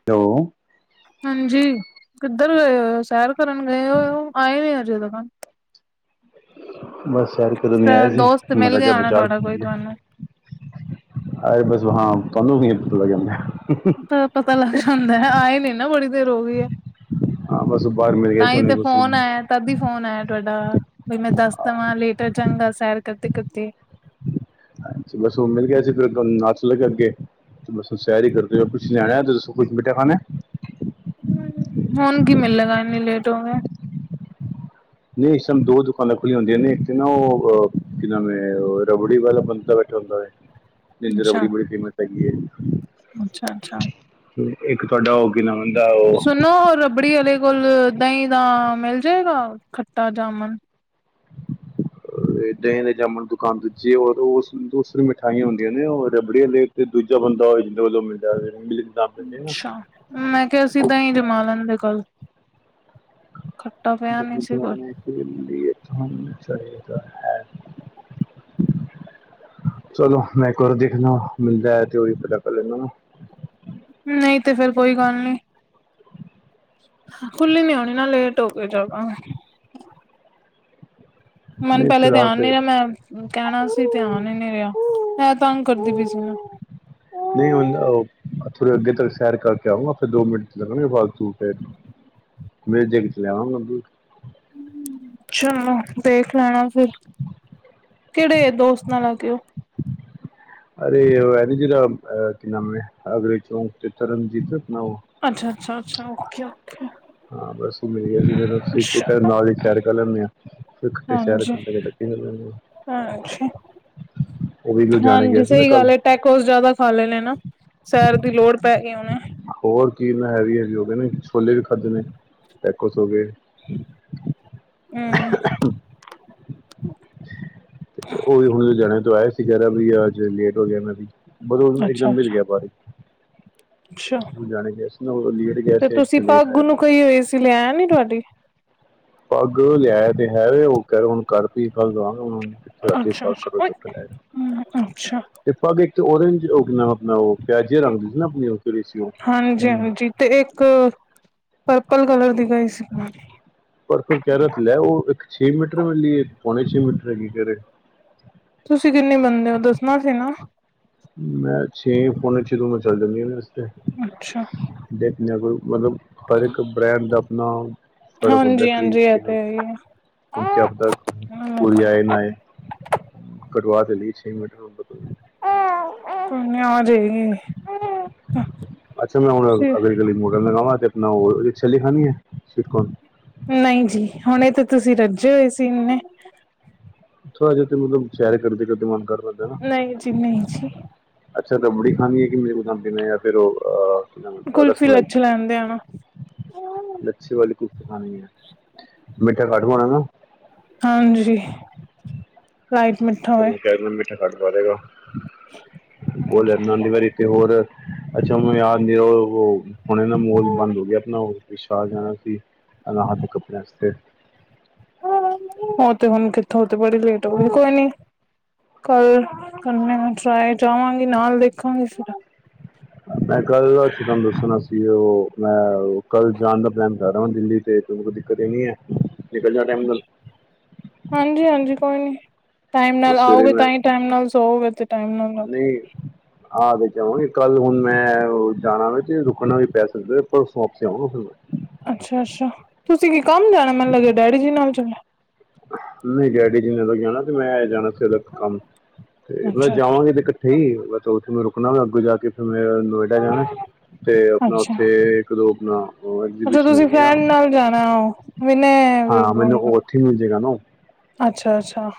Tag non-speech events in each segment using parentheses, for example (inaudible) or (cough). ਹੋਲੇ। ਹਾਂਜੀ, ਕਿੱਧਰ ਗਏ ਹੋਏ ਹੋ ਸੈਰ ਕਰਨ ਗਏ ਹੋਏ ਹੋ ਆਏ ਨੀ ਅਜੇ ਤਕਨ। ਬਸ ਸੈਰ ਕਰਨ ਗਿਆ ਸ਼ਾਇਦ ਸੀ। ਦੋਸਤ ਮਿਲ ਮਾੜਾ ਜਿਹਾ ਗਿਆ ਹੋਣਾ ਬਾਜਾਰ ਤੁਹਾਡਾ ਕੋਈ ਤੁਹਾਨੂੰ ਅਰੇ ਬਸ ਹਾਂ, ਤੁਹਾਨੂੰ ਕਿਵੇਂ ਪਤਾ ਲਗਿਆ? ਪਤਾ ਲੱਗ ਜਾਂਦਾ ਹੈ ਆਏ ਨੀ ਨਾ, ਬੜੀ ਦੇਰ ਹੋ ਗਈ ਹੈ। ਹਾਂ, ਬਸ ਬਾਹਰ ਮਿਲ ਗਿਆ ਤਾਂ ਸੀ ਹੀ ਨ ਤੇ ਬੱਸ। ਫੋਨ ਆਇਆ ਤਦ ਹੀ ਫੋਨ ਆਇਆ ਤੁਹਾਡਾ, ਬਈ ਮੈਂ ਦੱਸ ਦੇਵਾਂ ਲੇਟ ਚੰਗਾ ਸੈਰ ਕਰਦੇ ਕਰਤੇ। ਬਸ ਉਹ ਮਿਲ ਗਿਆ ਸੀ, ਫਿਰ ਨਾਲ ਚਲ ਗਿਆ ਕੇ ਅੱਗੇ। ਬਸ ਉਸ ਸੈਰ ਕਰਦੇ ਪਏ, ਕੁਛ ਲਿਆਣਾ ਦੱਸੋ, ਕੁਛ ਮਿੱਠਾ ਖਾਣਾ? ਹ ਹੁਣ ਕੀ ਮਿਲਲੇਗਾ, ਇੰਨੀ ਲੇਟ ਹੋ ਗਏ। ਨਹੀਂ ਇਸ ਟੈਮ ਦੋ ਦੁਕਾਨਾਂ ਖੁੱਲ੍ਹੀਆਂ ਹੁੰਦੀਆਂ ਨੇ, ਇੱਕ ਤੇ ਨਾ ਉਹ ਅਹ ਕੀ ਨਵੇਂ ਰਬੜੀ ਵਾਲਾ ਬੰਦਾ ਬੈਠਾ ਹੁੰਦਾ ਹੈ। ਜਜਰ ਅੱਛਾ ਬੜੀ, ਬੜੀ ਫੇਮਸ ਹੈਗੀ। ਅੱਛਾ -ਅੱਛਾ। ਇੱਕ ਤੁਹਾਡਾ ਓ ਕਿ ਨਾ ਬੰਦਾ ਉਹ। ਸੁਣੋ ਰਬੜੀ ਵਾਲੇ ਕੋਲ, ਦਹੀਂ ਦਾ ਮਿਲ ਜਾਏਗਾ ਖੱਟਾ ਜਾਮਨ। ਅ ਦਹੀਂ ਦੇ ਜਾਮਣ ਨੂੰ ਦੁਕਾਨ ਦੂਜੀ ਔਰ ਉਸ ਦੂਸਰੇ ਮ। ਮਠਾਈਆਂ ਹੁੰਦੀਆਂ ਨੇ, ਉਹ ਰਬੜੀਆਂ ਲ ਤੇ ਦੂਜਾ ਬੰਦਾ ਜਿੰਹਦੇ ਵੱਲੋਂ ਮਿਲਦਾ ਰਗ। ਅੱਛਾ, ਮੈਂ ਕਿਹਾ ਅਸੀ ਦਹੀ ਜਮਾ ਲੈਂਦੇ ਕੱਲ। ਖੱਟਾ ਪਿਆ ਨੀ ਦਹੀ ਸੀ ਕੁਝ ਜਮਾਨੇ। ਦੇ ਲ ਤੁਹਾਨੂੰ ਚਾਹੀਦਾ ਹੈ। ਚਲੋ, ਮੈਂ ਇੱਕ ਵਾਰ ਦੇਖਣਾ, ਮਿਲਦਾ ਤੇ ਉਹੀ ਪਤਾ ਕਰ ਲੈਦਾ। ਨਹੀਂ ਤੇ ਫੇਰ ਕੋਈ ਗੱਲ ਨਹੀਂ। ਖੁੱਲੀ ਨੀ ਹੋਣੀ ਨਾ, ਲੇਟ ਹੋ ਗਏ ਜਿਆਦਾ। ਮੈਨੂੰ ਨਹੀਂ ਪਹਿਲੇ ਫਿਲਹਾਲ ਧਿਆਨ ਨੀ ਤੇ ਰਿਹਾ, ਮੈਂ। ਕਹਿਣਾ ਸੀ ਧਿਆਨ ਹੀ ਨੀ ਰਿਹਾ, ਇਹ ਤੰਗ ਕਰਦੀ ਪਈ ਸੀ ਨਾ। ਨਹੀਂ ਹੁੰਦਾ, ਥੋੜ੍ਹੇ ਅੱਗੇ ਤੱਕ ਸੈਰ ਕਰਕੇ ਆਊਂਗਾ, ਫਿਰ ਦੋ ਮਿੰਟ 'ਚ ਲੱਗੇ ਗਿਆ। ਮੇ ਜੇ ਕਿਤੇ ਲਿਆਵਾਂਗਾ। ਅੱਛਾ, ਦੇਖ ਲੈਣਾ ਫਿਰ। ਕਿਹੜੇ ਦੋਸਤ ਨਾਲ ਆ ਗਏ ਉਹ। ਅਰੇ ਹੈ ਨੀ ਜਿਹੜਾ, ਕੀ ਨਾਮ ਹੈ, ਅਗਰੇ ਚੋਂਕ ਤੇ ਤਰਨਜੀਤ ਆਪਣਾ। ਅੱਛਾ- ਅੱਛਾ -ਅੱਛਾ, ਉੱਕੇ। ਹਾਂ ਬਸ ਉਹ ਮਿਲ ਗਿਆ ਜਸੀਂ ਅੱਛਾ ਇੱਕ ਨਾਲ ਹੀ ਸੈਰ ਕਰ ਲੈਂਦੇ ਹਾਂ। ਸੇ ਸੈਰ ਕਰਦੇ ਕਰਦੇ (unintelligible) ਹਾਂਛ, ਉਹ ਵੀ ਲੁਧਿਆਣੇ ਗਿਆ ਹਾਂਜੀ ਸੀ ਨਾ ਸਹੀ ਕੱਲ ਗੱਲ ਹੈ। ਪੈਕੋਸ ਜਿਆਦਾ ਖਾ ਲੈਣੇ ਨਾ, ਸੈਰ ਦੀ ਲੋੜ ਪੈ ਗਈ ਉਹਨੇ। ਹੋਰ ਕੀ ਇਹ ਨਾ ਹੈ ਵੀ ਹੈ ਵੀ ਹੋ ਗਏ ਨੇ ਛੋਲੇ ਵੀ ਖਾਦੇਣੇ ਪੈਕੋਸ ਹੋ ਗਏ। ਹਮ। ਉਹ ਵੀ ਹੁਣ ਜਾਣੇਆਂ ਤੋਂ ਆਇਏ ਸੀ ਯ ਵੀ ਅੱਜ ਲੇਟ ਹੋ ਗਿਆ ਇਹਨਾਂ ਦੀ। ਬਦੋਲ ਅੱਛਾ ਇੱਕਦਮ ਮਿਲ ਅੱਛਾ ਗਿਆ ਬਾਰੀ। ਅੱਛਾ ਤ ਜਾਣੇ ਗ ਸੀ ਨਾ ਲੇਟ ਗਿਆ ਤੇ ਸੀ, ਅੱਜ ਤੋਂ ਲੇਟ ਰਹਿ ਨੇ। ਤੁਸੀਂ ਲਿਆਇ ਨੀ ਤੁਹਾਡੀ। ਪੱਗ ਲਿਆ ਤੇ ਹੈ, ਉਹ ਕ ਹੁਣ ਕਰਤੀ ਕਲ ਜਾਣਾ। ਹਥੇ, ਰਾਤੀ ਅੱਛਾ ਅੱਛਾ ਕਰੋ ਓਏ ਚੱਕ ਲੈ। ਹਮ, ਅੱਛਾ ਤੇ ਪਗ ਇੱਕ ਓਰੇਂਜ ਓ ਕੀ ਨਾ, ਆਪਣਾ ਉਹ ਪਿਆਜੇ ਰੰਗ ਦੀ ਸੀ ਨਾ ਆਪਣੀ ਸੀ ਨਾ ਓ ਉ ਕਿਹੜੀ ਸੀ ਓ ਹਾਜੀ ਹਾਂਜੀ-ਹਾਂਜੀ ਤੇ ਇੱਕ, ਪਰਪਲ ਕਲਰ ਦੀ ਕਹਿਈ ਸੀ ਪਰ ਫਿਰ ਕਹਿ ਰਿਹਾ ਲੈ, ਉਹ ਇੱਕ ਛੇ ਮੀਟਰ ਮਿਲੀਏ, ਤੇ ਇਕ ਪੌਣੇ ਛੇ ਮੀਟਰ ਹੈਗੀ, ਕਹਿ ਰਹੇ ਤੁਸੀਂ ਜਿੰਨੀ ਬੰਣਦੇ ਹੋ, ਦੱਸਣਾ ਸੀ ਨਾ। ਮੈਂ ਛੇ ਪੋਨੇ ਛੇ ਤੋ ਉਪਰ ਚੱਲ ਜਾਂਦੀਆ ਨੇ ਵਾਸਤੇ ਅੱਛਾ ਦੇਖ ਲਿਆ ਕਰੋ ਮਤਲਬ ਹਰ ਇੱਕ ਬ੍ਰੈਂਡ ਦਾ ਆਪਣਾ, ਫ਼ਰਕ ਹੁੰਦਾ ਖਰੀ ਹਾਂਜੀ-ਹਾਂਜੀ ਇਹ ਦੋ ਜ ਤੇ ਹੈ ਹੀ ਹੁਣ ਕਿਆ ਪਤਾ, ਪੂਰੀ ਹੈ ਆਏ ਨਾ ਆਏ, ਕਟਵਾ ਤੇ ਲਈ ਛੇ ਮੀਟਰ। (inaudible) ਕੋਈ ਨਾ, ਆ ਜਾਏਗੀ ਹ ਅੱਛਾ ਮੈਂ ਹੁਣ ਅਗਲੀ ਗਲੀ ਮੋੜਨ ਲਗਾ ਵਾ ਤੇ ਅਪਣਾ ਓ ਛੱਲੀ ਖਾਨੀ ਐ? ਸਵੀਟਕੋਰਨ ਨਹੀਂ ਜੀ ਹੁਣੇ ਤੇ ਤੁਸੀਂ ਰੱਜੇ ਹੋਏ ਸੀ ਇਨੇ। ਥੋੜ੍ਹਾ ਜਿਹਾ ਤੇ ਮਤਲਬ ਸੈਰ ਕਰਦੇ ਕਰਦੇ ਮਨ ਕਰਦਾ। ਨਹੀਂ ਜੀ ਨਹੀਂ ਜੀ। ਅੱਛਾ ਰਬੜੀ ਖਾਣੀ ਏ ਕਿ ਮੇ ਓ ਬਣਾਉਣ ਦੇ ਪਏ ਯਾਰ ਫਿਰ ਓ ਅਅ ਕੀ ਨਂ ਰਸ ਕੁਲਫੀ ਮਲਾਈ? ਲੱਛੇ ਲੈਂਦੇ ਆ ਨਾ ਲੱਛੇ ਵਾਲੀ ਕੁਫੀ ਖਾਣੀ ਆ ਮਿੱਠਾ ਘੱਟ ਪਾਉਣਾ ਨਾ? ਹਾਂ ਜੀ ਊਹਨੂੰ ਕਹਿ ਦਾ ਮਿੱਠਾ ਘੱਟ ਪਾ ਦੇਗਾ। ਬਲ (unintelligible) ਨ ਦੀ ਵਾਰੀ ਤੇ ਹੋਰ ਅੱਛਾ ਮੈਂਨੂੰ ਯਾਦ ਨੀ ਓ ਓਨਰਾ ਹੁਣੇ ਨਾ ਮੋਲ ਬੰਦ ਹੋ ਗਿਆ ਆਪਣਾ ਓ ਵਿਸ਼ਾਲ ਜਾਣਾ ਸੀ ਅ ਲਾ ਹੱਥ ਕਬੈਂਸ ਤੇ ਉਹ ਤੇ ਹੁਣ ਕਿੱਥੋਂ ਤੇ ਬੜੀ ਲੇਟ ਹੋ ਗਏ ਕੋਈ ਨੀ। ਕੱਲ ਕੱਲ ਮੈਂ ਟਰਾਏ ਜਾਵਾਂਗੀ ਨਾਲ ਵੇਖਾਂਗੀ ਫਿਰ। ਮੈਂ ਕੱਲ ਅ ਚ ਤੁਹਾਨੂੰ ਦੱਸਣਾ ਸੀ। ਕਿ ਉਹ ਮੈਂ ਓ ਕੱਲ ਜਾਣ ਦਾ ਪਲੈਨ ਕਰ ਰਿਆ ਦਿੱਲੀ ਤੇ ਤਨੂੰ ਕੋਈ ਦਿੱਕਤ ਤੇ ਨੀ ਹੈ? ਨਿਕਲ ਜਾ ਟਾਈਮ ਨਾਲ ਹਾਂਜੀ ਹਾਂਜੀ ਕੋਈ ਨੀ ਟਾਈਮ ਨਾਲ ਸਵੇਰੇ ਆਓਗੇ ਤਾਂ ਈ ਟਾਈਮ ਨਾਲ ਸੋਉਗੇ ਤੇ ਟਾਈਮ ਨਾਲ ਸਈ ਏ ਆਹ ਦੇਖ ਕੇ ਆਵਾਂਗੇ ਕੱਲ ਹੁਣ ਮੈਂ ਓ ਜਾਣਾ ਵ ਤੇ ਰੁਕਣਾ ਵੀ ਪੈ ਸਕਦਾ ਪਰ ਸੌਂਪ ਆਉ ਫ (unintelligible) ਅੱਛਾ ਅੱਛਾ ਤੁਸੀਂ ਕੀ ਕੰਮ ਜਾਣਾ ਮੈਨੂੰ ਲੱਲਿਆ ਡੈਡੀ ਜੀ ਨਾਲ ਚਲੇ ਆ। ਆਹ ਨਹੀਂ ਡੈਡੀ ਜੀ ਨੇ ਅਲੱਗ ਜਾਣਾ ਤੇ ਮੈ ਜਾਣਾ ਜਰਾਕ ਕੰਮ ਤੇ ਮੈਂ ਜਾਵਾਂਗੇ ਤੇ ਇਕ ਠੀਕ ਬਸ ਉੱਥੇ ਮੈਂ ਰੁਕਣਾ ਵਾ ਅੱਗੋ ਜਾ ਕੇ ਫਿਰ ਅਅ ਮੈਂ ਨੋਇਡਾ ਜਾਣਾ ਤੇ ਆਪਣਾ ਉੱਥੇ ਗਰੁਪ ਨਾ ਅੱਛਾ ਤੁਸੀਂ ਫਰੈਂਡ ਨਾਲ ਜਾਣਾ (inaudible) ਹੋਨ ਹਾਂ ਮੈਨੂੰ ਉਹ ਉੱਥੇ ਮਿਲ ਜਾਏਗਾ ਨਾ ਅੱਛਾ ਅੱਛਾ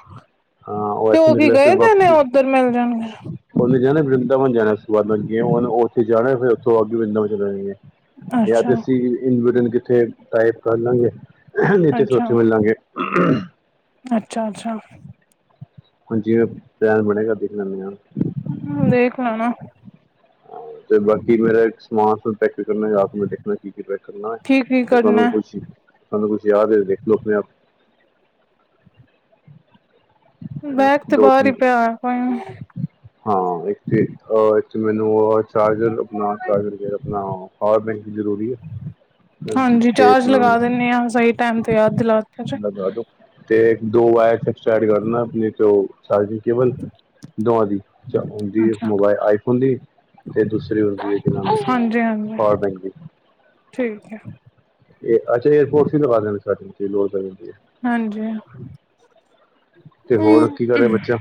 ਹਾਂ ਤੇ ਇੱਥੋਂ ਉਹ ਕੀ ਨਿਕਲਿਆ ਫਿਰ ਗਏ ਨੇ ਨੇ ਵਾਪਸੀ ਉੱਧਰ ਮਿਲ ਜਾਣਗੇ? ਉਹਨੇ ਜਾਣਾ ਵ੍ਰਿੰਦਾਵਨ ਜਾਣਾ ਉਸ ਤੋ ਬਾਅਦ ਮਤਲਬ ਕੀ ਉਹਨੇ ਉੱਥੇ ਜਾਣਾ ਫਿਰ ਉੱਥੋਂ ਆ ਵ੍ਰਿੰਦਾਵਨ ਚੱਲ ਜਾਂ ਤੇ ਅਸੀਂ ਇਨਬਟਨ ਕਿੱਥੇ ਟਾਈਪ ਕਰ ਲਾਂਗੇ? ਨੀਚੇ ਸੋਚੱ ਮਿਲਾਂਗੇ ਅੱਛਾ ਅੱਛਾ ਹਾਂਜੀ ਪਲੈਨ ਬਣੇਗਾ ਦੇਖ ਲੈਣੇ ਆ। ਹ ਦੇਖ ਲੈਣਾ ਹਾਂ ਤੇ ਬਾਕੀ ਮੇਰਾ ਇਕ ਸਮਾਨ ਸਭ ਪੈਕ ਕਰਨਾ ਯਾ ਆਪ ਮੈ ਦੇਖਣਾ ਕੀ ਕੀ ਪੈਕ ਕਰਨਾ। ਕੀ ਕੀ ਤੇ ਤੁਹਾਨੂੰ ਕਰਨਾ? ਕੁਛ ਤੁਹਾਨੂੰ ਕੁਛ ਯਾਦ ਏ ਦੇਖਲੋ ਆਪਣੇ ਆਪ? ਹਨਾ ਬੈਗ ਤੇ ਦੋ ਬਾਹਰ ਤਿੰਨ ਹੀ ਪਿਆ। ਹਾਂ ਇੱਕ ਤੇ ਅ ਇਚ ਮੈਨੂੰ ਅਅ ਚਾਰਜਰ ਆਪਣਾ ਚਾਰਜਰ ਕਿਹਰਿਆ ਆਪਣਾ ਆ ਵੇਖ ਜ਼ਰੂਰੀ ਆ? ਹਾਂਜੀ ਚਾਰਜ ਲਗਾ ਦਿੰਦੇ ਆਂ ਸਹੀ ਟਾਈਮ ਤੇ ਯਾਦ ਦਿਲਾ ਤਾ (inaudible) ਤੇ ਦੋ ਵਾਇਰ (unintelligible) ਕੇਵਲ, ਦੋਵਾਂ ਦੀ ਹੁੰਦੀ ਏ, ਮੋਬਾਈਲ ਆਈਫੋਨ ਦੀ ਤੇ ਦੂਸਰੀ ਹੁੰਦੀ ਹੈ, (unintelligible) ਪਾਵਰ ਹਾਂਜੀ-ਹਾਂਜੀ ਬੈਂਕ ਦੀ। ਠੀਕ ਹੈ। ਅੱਛਾ, ਏਅਰਪੋਟ (unintelligible) ਲੋੜ ਪੈ ਜਾਂਦੀ ਹੈ। ਹਾਂਜੀ, ਤੇ ਹੋਰ ਕੀ ਕਰ ਰਿਹਾ ਹਮ। ਬੱਚਾ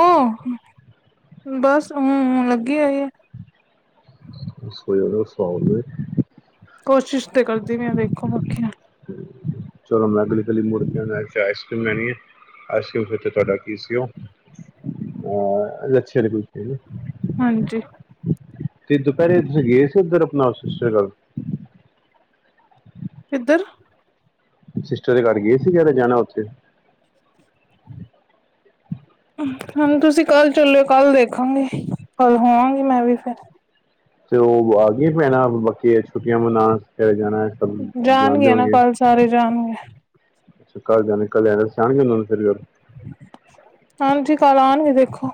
ਉਹ, ਬਸ ਹਮ ਲੱਗੀ ਹੋਈ ਆ। (unintelligible) ਕੋਸ਼ਿਸ਼ ਤੇ ਕਰਦੀ ਪਈ ਆ, ਦੇਖੋ ਬਾਕੀ। ਚਲੋ ਮੈਂ ਅਗਲੀ ਗਲੀ ਮੁੜ ਦੇ ਹੋਏ ਆਈਸ ਕਰੀਮ ਲੈਣੀ ਆ, ਆਈਸ ਕਰੀਮ ਤੇ ਤੁਹਾਡਾ ਕੀ ਸੀ ਉਹ? ਅਹ, (unintelligible) ਲੱਛੇ ਵਾਲੀ ਕੁਲਫੀ ਹਾਂਜੀ। ਤੇ ਦੁਪਹਿਰੇ ਤੁਸੀਂ ਗਏ ਸੀ ਉੱਧਰ, ਆਪਣਾ ਸਿਸਟਰ ਘਰ? ਕਿੱਧਰ? ਸਿਸਟਰ ਦੇ ਘਰ ਗਏ ਸੀਗੇ, ਕਹਿ ਰਹੇ ਜਾਣਾ ਉੱਥੇ। (inaudible) ਹੁਣ ਤੁਸੀਂ ਕੱਲ ਚੱਲਓ, ਕੱਲ ਦੇਖਾਂਗੇ, ਕੱਲ ਹੋਵਾਂਗੀ ਮੈਂ ਵੀ ਫਿਰ। ਤੇ ਉਹ ਆ ਗਿਆ ਭੈਣਾ, ਬਾਕੀ ਛੁੱਟੀਆਂ ਮਨਾਉਣ ਕਹਿੰਦੇ (unintelligible) ਜਾਣਾ। ਸਭ ਜਾਣਦੇ ਜਾਣਗੇ ਨਾ, ਹੋਣਗੇ ਕੱਲ੍ਹ ਸਾਰੇ ਜਾਣਗੇ। (unintelligible) ਹਾਂਜੀ, ਕੱਲ ਆਉਣਗੇ ਦੇਖੋ।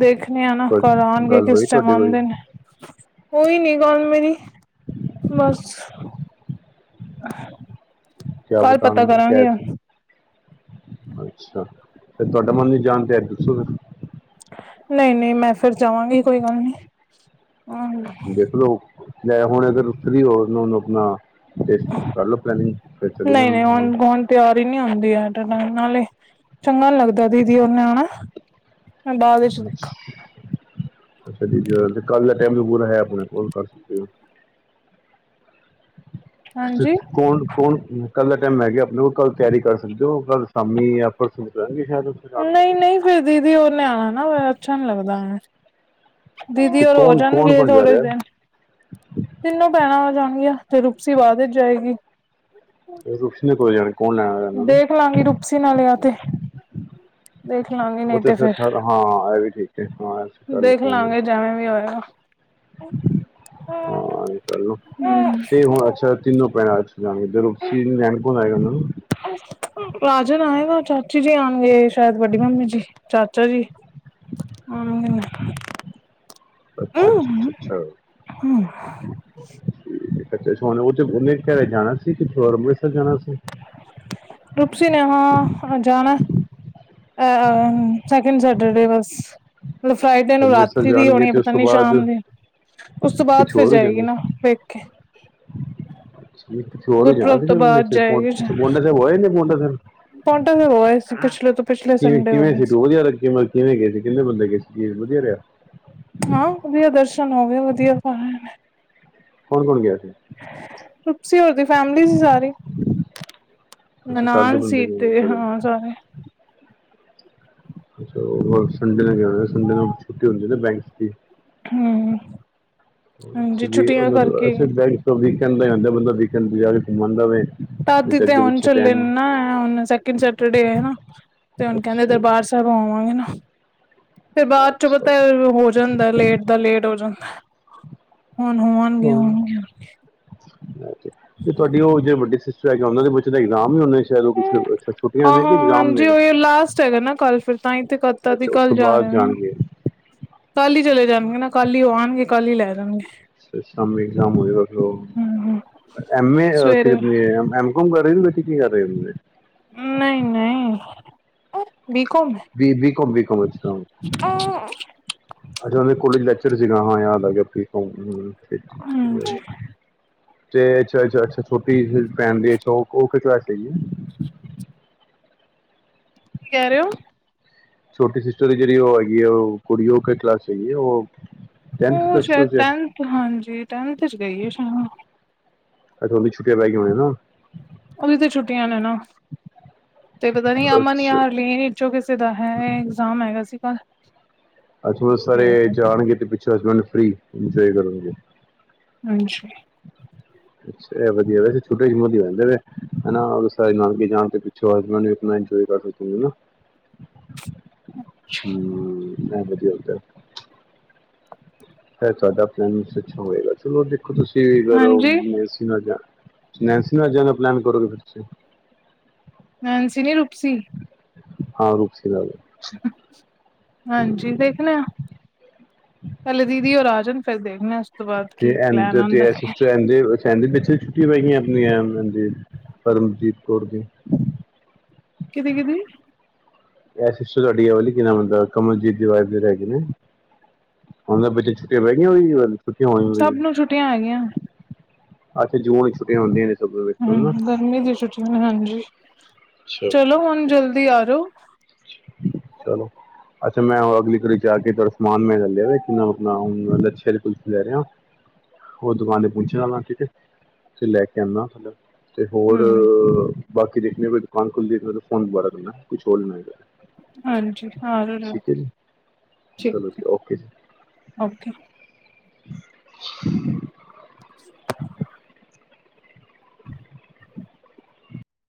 ਦੇਖਣੇ ਆ ਨਾ, ਕੱਲ ਆਉਣਗੇ, ਗੱਲ ਕਿਸ ਹੋਈ ਟਾਈਮ ਤੁਹਾਡੇ ਕੋਈ ਆਉਂਦੇ ਨੇ। ਹੋਈ ਨੀ ਗੱਲ ਮੇਰੀ, ਬਸ। ਕਿਆ ਕੱਲ ਪਤਾ ਬਤਾਨ ਕਹਿ ਕਰਾਂਗੇ। ਅੱਛਾ, ਤੇ ਤੁਹਾਡਾ ਮਨ ਨੀ ਜਾਣ ਤੇ ਆ, ਦੱਸੋ ਫੇਰ? ਨਹੀਂ-ਨਹੀਂ, ਮੈਂ ਫਿਰ ਜਾਵਾਂਗੀ, ਕੋਈ ਗੱਲ ਨੀ। ਦੇਖ ਲਓ, (unintelligible) ਹੁਣ ਅਗਰ ਫ੍ਰੀ ਹੋ ਉਹਨੂੰ ਆਪਣਾ ਫੇਰ ਕਰ ਲਓ ਪਲੇਨਿੰਗ, ਫਿਰ ਚਲੇ ਜਾਣਾ ਤੁਸੀ ਵੀ। ਤਿਆਰੀ ਨਹੀਂ ਹੁੰਦੀ ਐਟੇ ਟੈਮ ਤੇ, (unintelligible) ਨਾਲੇ ਚੰਗਾ ਨੀ ਲੱਗਦਾ ਦੀਦੀ ਹੁਣਾ ਨੇ ਆਉਣਾ। ਅੱਛਾ, (inaudible) ਕੱਲ ਦਾ ਟਾਈਮ ਵੀ ਪੂਰਾ ਹੈ ਆਪਣਾ ਕੋਲੇ, ਕਰ ਸਕਦੇ ਹੋ। ਹਾਂਜੀ ਕੌਣ-ਕੌਣ, ਕੱਲ ਦਾ ਟਾਈਮ ਹੈੈ ਗਾ ਆਪਣੇ ਕੋਲ। ਕੱਲ ਤਿਆਰੀ ਕਰ ਸਕਦੇ ਹੋ, ਕੱਲ ਸ਼ਾਮੀ ਯ ਪਰਸੋ ਨਿਕਲਣ ਗੇ ਸ਼ਾਇਦ ਓਥੇ ਜਾਣਗੇ ਤੇ ਨਹੀਂ ਓਹ। ਨਹੀਂ ਫਿਰ ਦੀਦੀ ਹੁਣਾ ਨੇ ਆਉਣਾ ਨਾ, ਅੱਛਾ ਨੀ ਲੱਗਦਾ ਨਾ ਐਵੇ। ਦੀਦੀ ਤੇ ਹੋਰ ਹੋ ਕੌਣ ਕੌਣ ਜਾਣਗੇ, ਕੌਣ ਜਾ ਥੋੜੇ ਰਿਹਾ ਦਿਨ। ਤਿੰਨੋ ਭੈਣਾਂ ਆ ਜਾਣਗੀਆਂ, ਤੇ ਰੁਪਸੀ ਬਾਅਦ ਵਿਚ ਜਾਏਗੀ। ਰੁਪਸੀ ਨੇ ਕਦੋਂ ਜਾਣਾ? ਕੌਣ ਲੈਣਾ ਇਹਨਾਂ ਨੂੰ ਦੇਖ ਲਾਂਗੀ ਰੁਪਸੀ ਨਾਲ ਯਾ ਤੇ। ਦੇਖ ਲਾਂਗੇ ਉਹ ਨਹੀਂ ਤੇ ਫਿਰ, ਹਾਂ ਇਹ ਵੀ ਠੀਕ ਹੈ, ਹਾਂ ਕਰਲੋ ਦੇਖ ਪਲੈਨ (inaudible) ਲਾਂਗੇ ਜਿਵੇਂ ਵੀ ਹੋਏਗਾ ਹਾਂ, ਤੇ ਹੁਣ ਅੱਛਾ ਤੀਨੋ ਭੈਣਾਂ ਜਾਣਗੇ (unintelligible) ਤੇ ਰੂਪਸੀ ਨੂੰ ਲੈਨ ਕੌਣ ਆਏਗਾ ਓਹਨਾ ਨੂੰ? ਅੱ ਰਾਜਨ ਆਏਗਾ, ਚਾਚਾ ਜੀ ਆਉਣਗੇ ਸ਼ਾਇਦ ਵੱਡੀ ਮੰਮੀ ਜੀ, ਚਾਚਾ ਜੀ। ਹਾਂ, ਅੱਛਾ-ਅੱਛਾ-ਅੱਛਾ-ਅੱਛਾ। ਹਮ। ਅੱਛਾ, ਉਹ ਉਹਨੇ ਘਰੇ ਜਾਣਾ ਸੀ, ਕਿਥੇ ਹੋਰ ਅੰਮ੍ਰਿਤਸਰ ਜਾਣਾ ਸੀ। ਰੁਪਸੀ ਨੇ, ਹਾਂ ਜਾਣਾ। ਅ, ਸੈਕਿੰਡ ਸੈਟਰਡੇ ਬਸ। ਮਤਲਬ ਫਰਾਈਡੇ ਅੱਛਾ ਨੂੰ ਅੰਮ੍ਰਿਤਸਰ ਰਾਤੀ ਦੀ ਜਾਣਗੇ ਹੋਣੀ, ਤੇ ਉਸ ਪਤਾ ਤੋਂ ਨੀ ਬਾਅਦ ਸ਼ਾਮ ਦੀ। ਉਸ ਤੋਂ ਬਾਅਦ ਫਿਰ ਜਾਏਗੀ ਨਾ ਵੇਖ ਕੇ ਛ ਹੋਰ ਜਾਣਾ ਗੁਰਪੁਰਬ ਤੋਂ ਬਾਅਦ ਸੀ ਜਾਏਗੀ ਪੋਂਟਾ ਸਾਹਿਬ ਹੋ ਆਏ ਨੇ, ਪੋਂਟਾ ਸਾਹਿਬ ਪੋਟਾਂ ਸਾਹਿਬ ਹੋ ਆਏ ਸੀ, ਪਿਛਲੇ ਤੋਂ ਪਿਛਲੇ ਕਿਵੇਂ ਸੰਡੇ ਕਿਵੇਂ ਹੋਇਆ ਸੀ ਟੂ ਵਧੀਆਮ ਕਿਵੇਂ ਗਏ ਸੀ ਕਿੰਨੇ ਬੰਦੇ ਗਏ ਸੀ ਚਜ਼ ਵਧੀਆ ਰਿਹਾ। ਹਾਂ ਵਧੀਆ ਦਰਸ਼ਨ ਹੋਵੇ ਵਧੀਆ ਕਾਰ ਕੌਣ ਕੌਣ ਗਿਆ ਸੀ ਰੁਚੀ ਹੋਰ ਦੀ ਫੈਮਲੀ ਸੀ ਸਾਰੀ। ਅੱਛਾ ਕਰਦੇ ਬੰਦੇ ਕਿ ਸ ਜਾਣਾ ਅੱਛ ਸੰਡੇ ਨਾਲ ਗਿਆ ਸੰਡੇ ਨਾਲ ਛੁੱਟੀ ਹੁੰਦੀ ਨਾ ਬੈਂਕ ਦੀ। ਹੂੱ ਅੱਛਾ ਬੈਂਕ ਵੀਕੇਂਡ ਅੰਦਾ ਬੰਦਾ ਵੀਕੈਂਦ ਤੇ ਗੁੰਮ ਆਂਦਾ ਹੈ ਦਾਦੀਤੇ ਹੁਣ ਚਲੇ ਨੇ ਹੁਣ ਸੈਕਿੰਡ ਸਟਰਦੇ ਤੇ ਹੁਣ ਕਹਿੰਦੇ ਅੱਛਾ ਦਰਬਾਰ ਸਾਬ੍ਹ ਵਾਂਗੇ ਨਾ ਫਿਰ ਬਾਅਦ ਚੋਂ ਅੱਛਾ ਪਤਾ ਹੋਰ ਜਾਂਦਾ ਲੇਟ ਦਾ ਲੇਟ ਹੋ ਜਾਂਦਾ ਹੁਣ ਹੁਣ ਹੈਲੋ ਅੱ ਤੁਹਾਡੀ ਉਹ ਜਿਹੜੇ ਵੱਡੇ ਸਿਸਟਰ ਹੈਗੇ ਉਹਨਾਂ ਦੇ ਬੱਚੇ ਦਾ ਇਗਜ਼ਾਮ ਵੀ ਉਹਨੇ ਅੱਛ ਛੁੱਟੀਆਂ ਨੇ ਕਿ ਇਗਜ਼ਾਮ ਨੇ ਗਾ ਨਾ ਕੱਲ ਫਿਰ ਤਾਂ ਹੀ ਤੇ ਕਤਾ ਤੇ ਅੱਛਾ ਉਸ ਕੱਲ ਤੋਂ ਜਾ ਬਾਅਦ ਰਹੇ ਨਾ ਜਾਣਗੇ ਕੱਲ ਹੀ ਚਲੇ ਜਾਣਗੇ ਨਾ ਕੱਲ ਹੀ ਉਹ ਆਉਣਗੇ ਕੱਲ੍ਹ ਹੀ ਲੈ ਜਾਣਗੇ। ਸੈਮੀ ਐਗਜਾਮ ਹੋਇ ਹਮ ਹਮ ਮ ਅ ਸਵੇਰੇ ਕੇਢੇ ਮ ਕਰਦੇ ਕੀ ਕਰ ਰਦੇ (unintelligible) ਨਈ ਨਈ ਬਕੋਮ ਹੈ ਬ ਬਿਕੋਮ ਬਿਕੋਮ ਵਿਚ ਆਹ ਅੱਜ ਹੁਨਾ ਦੇ ਕੋਲੇਜ ਲੈਕਚਰ ਸੀਗਾ ਹਾਂ ਯਾਦ ਆ ਗਿਆ ਬਕੋਮ ਕੀ ਅੱਛਾ ਅੱਛਾ ਅੱਛਾ ਛੋਟੀ ਭੈਣ ਦੇ ਉਹ ਕਿਸ ਵਾਸਤੇ ਕੀ ਕਹਿ ਰਹੇ ਹੋ ਛੋਟੀ ਸਿਸਟਰ ਦੀ ਜਿਹੜੀ ਉਹ ਹੈਗੀ ਹੈ ਉਹ ਕੁੜੀਓ ਕ ਕਲਾਸ ਹੈਗੀ ਹੈ ਉਹ ਟੈਨਥ ਉਹ ਪਲੱਸ ਟੂ ਸ਼ਾਇਦ ਚ ਹੈ। ਟੈਨਥ ਹਾਂਜੀ ਟੈਨਥ ਚ ਗਈ ਸ਼ਾਇ ਅੱਜ ਛੁੱਟਿਆ ਪੈ ਗਈ ਹੋ ਨਾ ਉਹਦੀ ਤੇ ਛੁੱਟੀਆਂ ਨੇ ਨਾ ਤੇ ਪਤਾ ਨੀ ਅਮਨ ਅੱਛਾ ਯਾ ਹਰਲੀਨ ਕਿਸੇ ਦਾ ਹੈ ਇਗਜ਼ਾਮ ਹੈਗਾ ਸੀਗਾ। ਅਸ ਬਹੁਤ ਸਾਰੇ ਜਾਣਗੇ ਤੇ ਪਿੱਛੋਂ ਹਸਬੈਂਡ ਫ੍ਰਰੀ ਇੰਜੋਏ ਕਰਨਗੇ। ਹਾਂਜੀ ਅੱਛ ਵਧੀਆ ਵੈਸੇ ਛੋਟੇ ਮੋਹਿੰਦੇਾ ਸਾਰੇ ਨਲਕੇ ਜਾਣ ਤੇ ਪਿੱਛੋਂ ਹਸਬੈਂਡ ਆਪਣਾ ਪਾੋ ਨਾ ਹਮ ਵਧੀਆ ਹੋ (unintelligible) ਸ਼ਾਇਦ ਤੁਹਾਡਾ ਪਲੈਨ ਅੱਛਾ ਹੋਏਗਾ ਚਲੋ ਦੇਖੋ ਤੁਸੀਂਗਰ ਹਾਂਜੀ ਮ ਅਸੀ ਨਾ ਜਾ ਨੈਨਸੀ ਨਾਲ ਜਾਣਾ ਪਲਲਾਨ ਕਰੋ ਫਿਰ ਤੁਸੀ ਨੈਂਸੀ ਨੀ ਰੂਪਸੀ ਹਾਂ ਰੁਪਸੀ ਯਾਦ ਹਾਂਜੀ ਦੇਖਣੇ ਆ ਪਲੇ ਦੀਦੀ ਹੋ ਆ ਜਾਣ। ਫਿਰ ਦੇਖਣੇ ਤੋਂ ਬਾਅਦ ਤੇ ਕੀ ਪਲੈਨ (unintelligible) ਆਉਂਦਾ ਕਹਿੰਦੇ ਵਿੱਚਥੇ ਛੁੱਟੀਆਂ ਪੈ ਗਈਆਂ ਆਪਣੀਆਂ ਪਰਮਜੀਤ ਕੌਰ ਦੀ ਕਿਦੀ ਕਿਦੀ ਇਹ ਸਿਸਟਰ ਤੁਹਾਡੀਲੀ ਕਿਨਾ ਬਤਦਾ ਕਮਲਜੀਤ ਦੀ ਵਾਈਫ ਜੇਹੜੇ ਹੈਗੇ ਨੇ। ਹੁਣਾ ਦੇ ਬੱਚਿਆ ਨੂੰ ਛੁੱਟਿਆ ਪਏ ਗੇਇਆ ਛੁੱਟੀ ਹੋਣੀ ਸਭ ਹੁੰ ਨੂੰ ਛੁੱਟੀਆਂ ਹੈਗੀਆਂ ਅੱਛਾ ਜੂਨ ਚ ਛੁੱਟੀਆਂ ਹੁੰਦੀਆਂ ਨੇ ਸਭ ਦੇ ਵਿੱਚ ਨਾ ਹਮ ਅੱਛਾ ਗਰਮੀ ਦੀ ਛੁਟੀਆ ਹਾਂਜੀ, ਚਲੋ ਹੁਣ ਜਲਦੀ ਆ ਜਾਓ ਚਲੋ (unintelligible) ਅੱਛਾ ਮੈਂ ਅਗਲੀ ਗਲੀ 'ਚ ਜਾ ਕੇ (unintelligible) ਸਾਮਾਨ ਲੈ ਰਿਹਾ, ਲੱਛੇ ਵਾਲੀ ਕੁਲਫੀ ਲੈ ਰਿਹਾ। ਹੋਰ ਦੁਕਾਨ ਤੇ ਪੁੱਛ ਲਾੰਗਾ ਠੀਕ ਹੈ, ਫੇਰ ਲੈ ਕੇ ਆਉਂਦਾ ਤੇ ਹੋਰ ਹੂੰ ਬਾਕੀ ਦੇਖਲੋ ਹੋਰ ਵੀ ਸਮਾਨ, ਦੁਕਾਨ ਖੁੱਲਦੀ ਫੋਨ ਦੁਬਾਰਾ ਕਰਨਾ ਕੁਛ ਹੋਰ ਹਾਂਜੀ ਠੀਕ ਹੈ (unintelligible) ਜੀ ਠੀਕ ਚਲੋ ਹੈ ਜੀ ਓਕੇ ਜੀ ਓਕੇ।